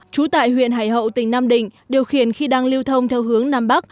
trú tại huyện hải hậu tỉnh nam định điều khiển khi đang lưu thông theo hướng nam bắc